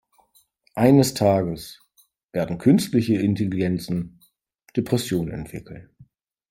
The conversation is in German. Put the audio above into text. Eines Tages werden künstliche Intelligenzen Depressionen entwickeln.